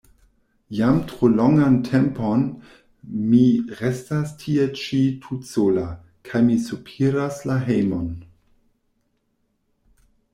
Jam tro longan tempon mi restas tie ĉi tutsola, kaj mi sopiras la hejmon.”